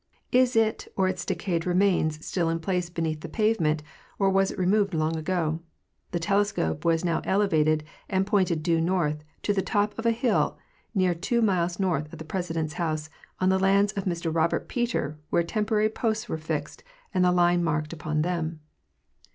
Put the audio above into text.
Is it or its decayed remains still in place beneath the pavement or was it removed long ago? The telescope was now elevated and pointed due north "to the top of a hill near two miles north of the President's house, on the lands of Mr Robert Peter, where temporary posts were fixed and the line marked upon them."